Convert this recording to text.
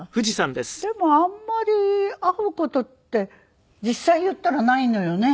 でもあんまり会う事って実際言ったらないのよね。